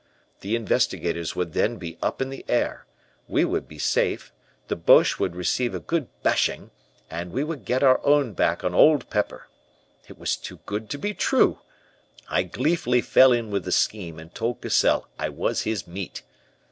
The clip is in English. The investigators would then be up in the air, we would be safe, the Boches would receive a good bashing, and we would get our own back on Old Pepper. It was too good to be true. I gleefully fell in with the scheme, and told Cassell I was his meat.